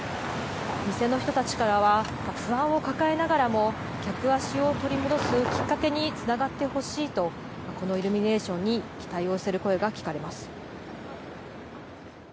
店の人たちからは、不安を抱えながらも、客足を取り戻すきっかけにつながってほしいと、このイルミネーションに期待をする声が聞かれます。